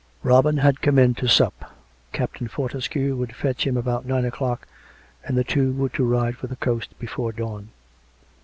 ... Robin had come in to sup. Captain Fortescue would fetch him about nine o'clock, and the two were to ride for the coast before dawn.